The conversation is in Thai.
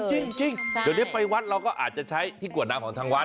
จริงเดี๋ยวนี้ไปวัดเราก็อาจจะใช้ที่กรวดน้ำของทางวัด